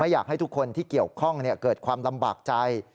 อยากให้ทุกคนที่เกี่ยวข้องเกิดความลำบากใจ